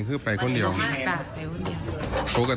พ่อพูดว่าพ่อพูดว่าพ่อพูดว่า